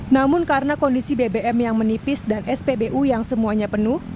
namun karena kondisi bbm yang menipis dan spbu yang semuanya penuh